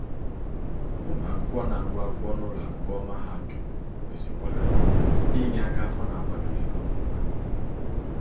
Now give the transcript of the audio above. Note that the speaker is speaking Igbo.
o kwekwazịrị nkwà na ọ gaghị agharịpụ ha